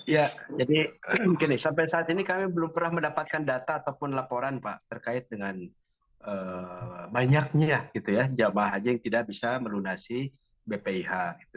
ya jadi sampai saat ini kami belum pernah mendapatkan data ataupun laporan pak terkait dengan banyaknya jemaah haji yang tidak bisa melunasi bpih